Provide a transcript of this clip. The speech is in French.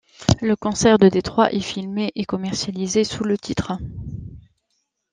Le concert de Détroit est filmé et commercialisé, sous le titre '.